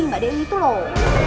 mbak dewi itu loh